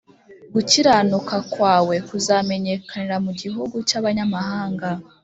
Gukiranuka kwawe kuzamenyekanira mu gihugu cy’abanyamahanga